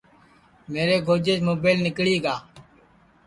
میرے گھوجیس مُبیل نیکݪی گا